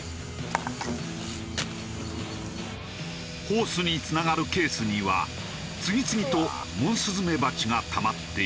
ホースにつながるケースには次々とモンスズメバチがたまっていく。